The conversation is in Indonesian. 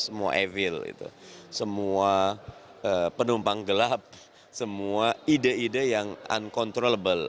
ketika kotak pandora ini dibuka maka keluarlah semua evil semua penumpang gelap semua ide ide yang uncontrollable